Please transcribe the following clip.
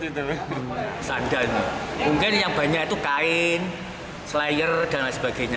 sandal sandal ini mungkin yang banyak itu kain slayer dan lain sebagainya